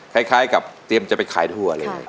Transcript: คล้ายกับเตรียมจะไปขายถั่วเลย